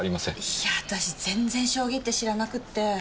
いや私全然将棋って知らなくって。